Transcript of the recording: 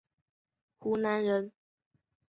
湖南人。